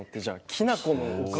きな粉のおかげ。